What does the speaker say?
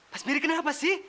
mas barry kenapa sih